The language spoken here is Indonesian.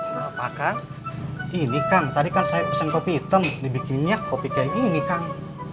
apa apa kang ini kang tadi kan saya pesen kopi hitam dibikin minyak kopi kayak gini kang